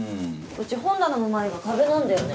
うち本棚の前が壁なんだよね。